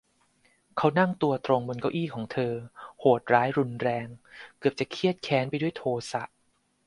เขานั่งตัวตรงบนเก้าอี้ของเธอ โหดร้ายรุนแรง เกือบจะเคียดแค้นไปด้วยโทสะ